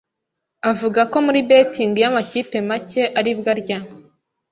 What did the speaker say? Avuga ko muri Betting y’amakipe make aribwo arya